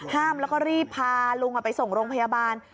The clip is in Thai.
ห้ามแล้วก็รีบพาลุงไปส่งโรงพยาบาล